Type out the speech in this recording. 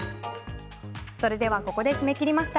それではここで締め切りました。